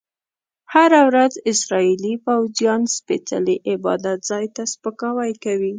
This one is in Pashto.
هره ورځ اسرایلي پوځیان سپیڅلي عبادت ځای ته سپکاوی کوي.